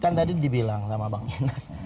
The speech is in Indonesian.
kan tadi dibilang sama bang inas